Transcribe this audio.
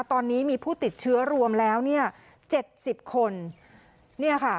ตอนนี้มีผู้ติดเชื้อรวมแล้วเนี่ยเจ็ดสิบคนเนี่ยค่ะ